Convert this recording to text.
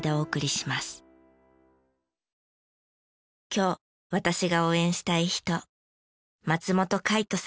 今日私が応援したい人。